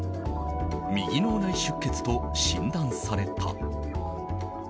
右脳内出血と診断された。